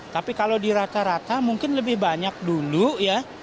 tapi kalau di rata rata mungkin lebih banyak dulu ya